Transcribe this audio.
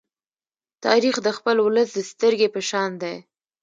تاریخ د خپل ولس د سترگې په شان دی.